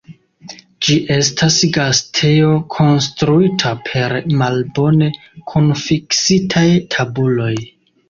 Ĝi estas gastejo konstruita per malbone kunfiksitaj tabuloj.